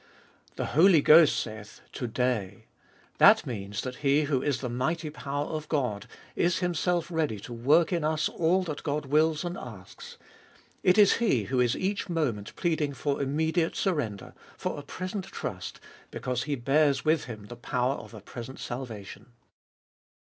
The Holy Ghost saith, To day. That means that He who is the mighty power of God is Himself ready to work in us all that God wills and asks ; it is He who is each moment pleading for immediate surrender, for a present trust, because He bears with Him the power of a present salvation.